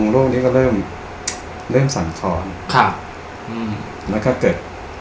โลกนี้ก็เริ่มเริ่มสั่งคลอนครับอืมแล้วก็เกิด